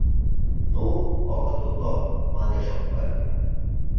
— Ну, огыт утло, — манеш опкын.